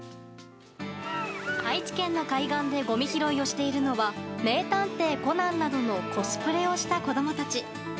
愛知県の海岸でごみ拾いをしているのは「名探偵コナン」などのコスプレをした子供たち。